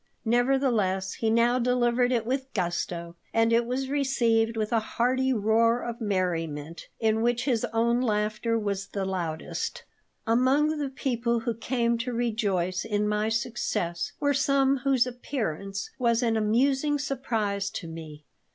Nevertheless, he now delivered it with gusto, and it was received with a hearty roar of merriment, in which his own laughter was the loudest Among the people who came to rejoice in my success were some whose appearance was an amusing surprise to me.